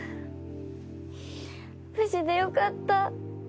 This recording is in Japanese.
無事でよかった。